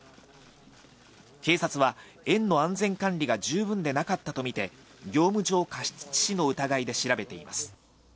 警察は園の安全管理が十分でなかったとみて、業務上過失致死の疑いで調べています。